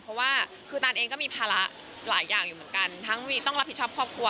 เพราะว่าคือตานเองก็มีภาระหลายอย่างอยู่เหมือนกันทั้งวีต้องรับผิดชอบครอบครัว